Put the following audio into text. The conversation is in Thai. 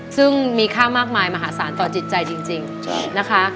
ซึ่งมีค่ามากมายมหาศาลต่อจิตใจจริงนะคะ